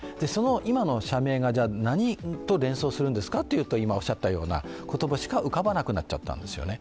今の社名が何を連想するんですかというと今おっしゃったようなことしか浮かばなくなっちゃったんですよね。